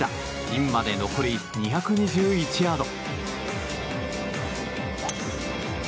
ピンまで残り２２１ヤード。